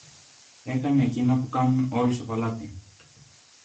Έκανε εκείνα που κάνουν όλοι στο παλάτι.